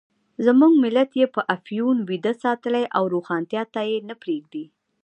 زموږ ملت یې په افیون ویده ساتلی او روښانتیا ته یې نه پرېږدي.